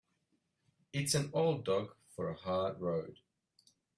It's an old dog for a hard road.